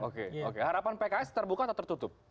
oke oke harapan pks terbuka atau tertutup